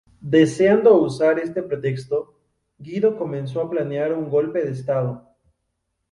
Deseando usar este pretexto, Guido comenzó a planear un golpe de Estado.